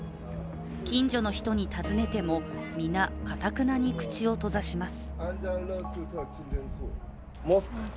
近所の人に尋ねても、皆、かたくなに口を閉ざします。